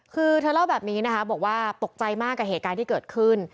คือเธอเล่าแบบนี้นะคะบอกว่าตกใจมากกับเหตุการณ์ที่เกิดขึ้น